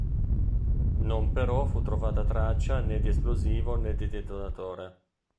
Non però fu trovata traccia né di esplosivo né di detonatore.